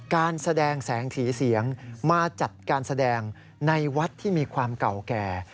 การแสดงแสงสีเสียงมาจัดการแสดงในวัดที่มีความเก่าแก่